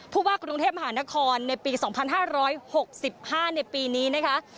ผู้ว่ากรุงเทพมหานครในปี๒๕๖๕ในปีนี้นะคะ